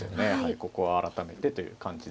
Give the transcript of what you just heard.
ここは改めてという感じで。